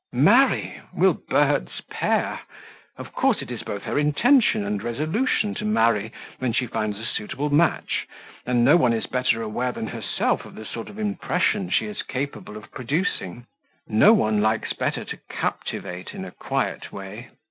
"Marry! Will birds pair? Of course it is both her intention and resolution to marry when she finds a suitable match, and no one is better aware than herself of the sort of impression she is capable of producing; no one likes better to captivate in a quiet way.